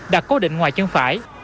đặt cố định ngoài chân phải